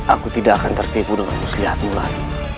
aku tidak akan tertipu dengan muslihatmu lagi